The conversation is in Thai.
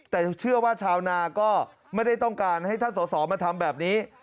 แต่เชื่อว่าชาวนาก็ไม่ได้ต้องการให้ท่านสอสอมาทำแบบนี้